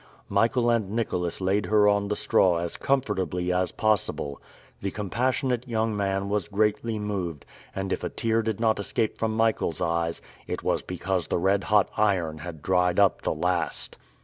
Michael and Nicholas laid her on the straw as comfortably as possible. The compassionate young man was greatly moved, and if a tear did not escape from Michael's eyes, it was because the red hot iron had dried up the last!